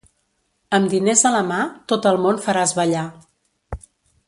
Amb diners a la mà, tot el món faràs ballar.